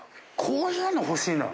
「こういうの欲しいな」。